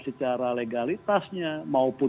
secara legalitasnya maupun